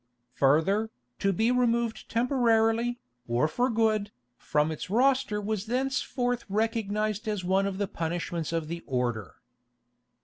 Further, to be removed temporarily, or for good, from its roster was thenceforth recognised as one of the punishments of the order.